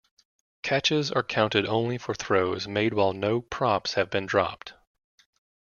Catches are counted only for throws made while no props have been dropped.